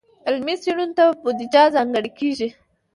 علمي څیړنو ته بودیجه ځانګړې کیږي.